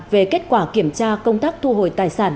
về kết quả kiểm tra công tác thu hồi tài sản